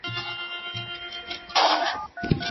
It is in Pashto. ډاکټر اوږده پاڼه ړنګه نه کړه.